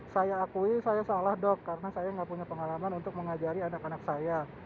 saya akui saya salah dok karena saya nggak punya pengalaman untuk mengajari anak anak saya